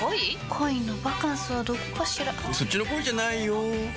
恋のバカンスはどこかしらそっちの恋じゃないよ